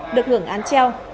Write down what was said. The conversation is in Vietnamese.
được hưởng án treo